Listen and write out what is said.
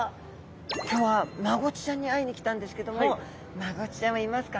今日はマゴチちゃんに会いに来たんですけどもマゴチちゃんはいますか？